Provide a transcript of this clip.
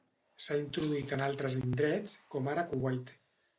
S'ha introduït en altres indrets com ara Kuwait.